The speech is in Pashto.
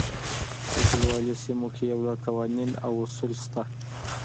په کلیوالي سیمو کې یو لړ قوانین او اصول شته دي.